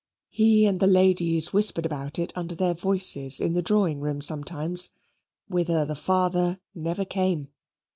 He and the ladies whispered about it under their voices in the drawing room sometimes, whither the father never came.